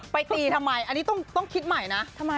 ตีทำไมอันนี้ต้องคิดใหม่นะ